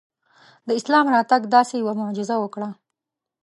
د اسلام راتګ داسې یوه معجزه وکړه.